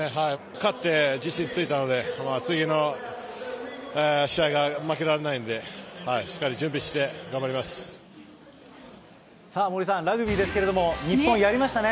勝って自信ついたので、次の試合が負けられないんで、さあ、森さん、ラグビーですけれども、日本、やりましたね。